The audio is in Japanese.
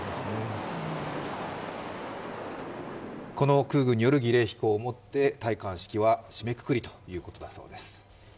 この空軍による儀礼飛行をもって、戴冠式は締めくくりということだそうです。